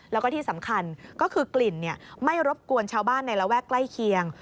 แล้วก็ที่สำคัญก็คือกลิ่นไม่รบกวนชาวบ้านในระแวกใกล้เคียง